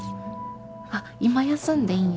「あっ今休んでいいんや。